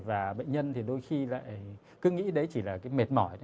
và bệnh nhân thì đôi khi lại cứ nghĩ đấy chỉ là cái mệt mỏi